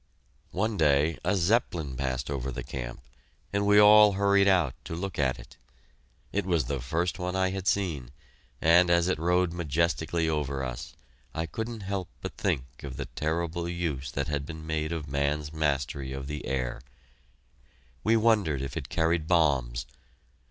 One day, a Zeppelin passed over the camp, and we all hurried out to look at it. It was the first one I had seen, and as it rode majestically over us, I couldn't help but think of the terrible use that had been made of man's mastery of the air. We wondered if it carried bombs.